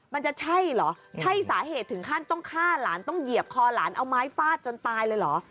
มันจะใช่เหรอใช่สาเหตุถึงขั้นต้องฆ่าหลานต้องเหยียบคอหลานเอาไม้ฟาดจนตายเลยเหรอ